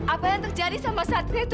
apa yang terjadi sama satria itu